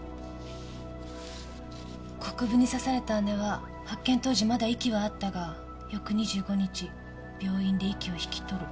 国府に刺された姉は発見当時まだ息はあったが翌２５日病院で息を引き取る。